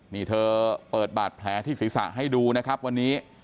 นี่เธอเปิดบาดแผลที่ศีรษะให้ดูนะครับวันนี้